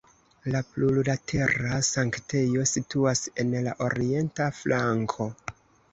La plurlatera sanktejo situas en la orienta flanko.